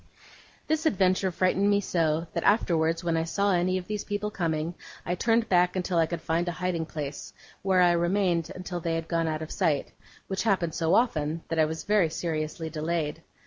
This adventure frightened me so, that, afterwards, when I saw any of these people coming, I turned back until I could find a hiding place, where I remained until they had gone out of sight; which happened so often, that I was very seriously delayed.